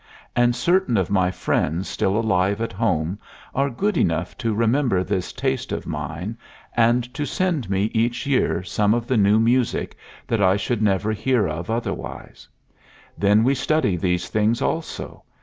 And certain of my friends still alive at home are good enough to remember this taste of mine and to send me each year some of the new music that I should never hear of otherwise. Then we study these things also.